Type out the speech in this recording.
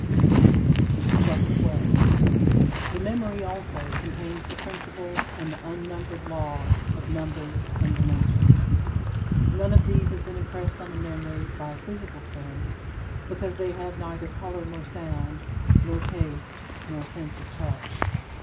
CHAPTER XII 19. The memory also contains the principles and the unnumbered laws of numbers and dimensions. None of these has been impressed on the memory by a physical sense, because they have neither color nor sound, nor taste, nor sense of touch.